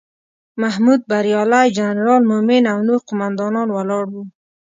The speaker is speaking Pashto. محمود بریالی، جنرال مومن او نور قوماندان ولاړ وو.